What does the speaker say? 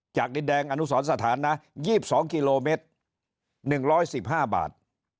ดินแดงอนุสรสถานนะ๒๒กิโลเมตร๑๑๕บาท